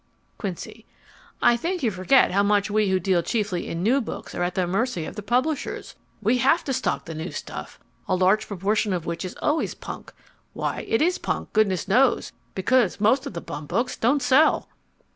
QUINCY I think you forget how much we who deal chiefly in new books are at the mercy of the publishers. We have to stock the new stuff, a large proportion of which is always punk. Why it is punk, goodness knows, because most of the bum books don't sell.